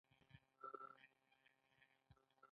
پښتونولي د ژوند یوه لار ده.